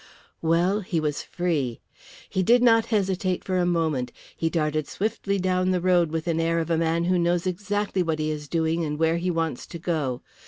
Well, he was free. He did not hesitate for a moment. He darted swiftly down the road with the air of a man who knows exactly what he is doing and where he wants to go.